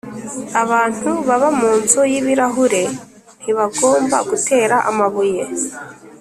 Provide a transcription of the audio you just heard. abantu baba munzu y'ibirahure ntibagomba gutera amabuye